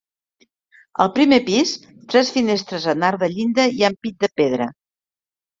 Al primer pis, tres finestres en arc de llinda i ampit de pedra.